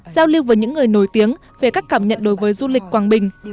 giao lưu với những người nổi tiếng về các cảm nhận đối với du lịch quảng bình